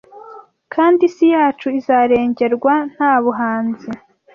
kandi isi yacu izarengerwa Nta buhanzi